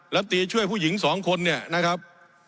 ตีช่วยผู้หญิงสองคนเนี่ยนะครับ